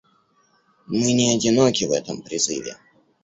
Мы не одиноки в этом призыве.